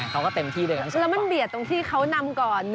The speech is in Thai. เขาก็เต็มที่เดิมแล้วมันเบียดตรงที่เขานำก่อน